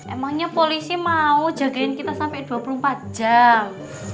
emangnya polisi mau jagain kita sampai dua puluh empat jam